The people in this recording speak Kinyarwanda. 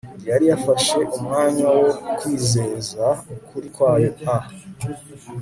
yari yafashe umwanya wo kwizeza ukuri kwayo a